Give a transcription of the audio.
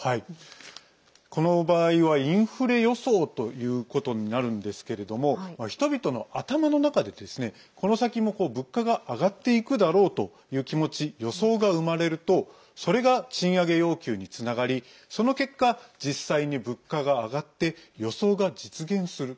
この場合は、インフレ予想ということになるんですけれども人々の頭の中で、この先も物価が上がっていくだろうという気持ち、予想が生まれるとそれが賃上げ要求につながりその結果実際に物価が上がって予想が実現する。